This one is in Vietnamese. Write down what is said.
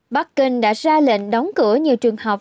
bắc kinh đã ra lệnh đóng cửa nhiều trường học